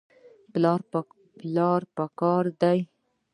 پلان پکار دی